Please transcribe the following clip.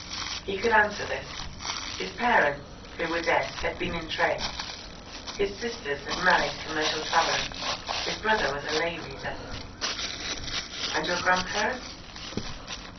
He could answer this. His parents, who were dead, had been in trade; his sisters had married commercial travellers; his brother was a lay reader. "And your grandparents?"